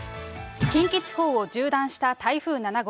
近畿地方を縦断した台風７号。